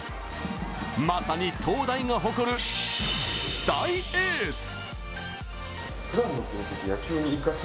まさに、東大が誇る大エース。